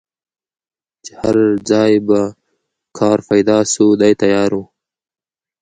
چي هر ځای به کار پیدا سو دی تیار وو